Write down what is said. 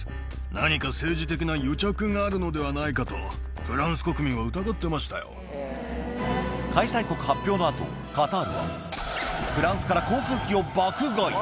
何か政治的な癒着があるのではないかと、フランス国民は疑ってま開催国発表のあと、カタールは、フランスから航空機を爆買い！